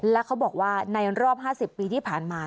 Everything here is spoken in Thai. แล้วเขาบอกว่าในรอบ๕๐ปีที่ผ่านมา